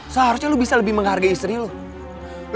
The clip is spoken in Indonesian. seharusnya lo bisa lebih menghargai istri lu